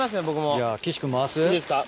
じゃあ岸君回す？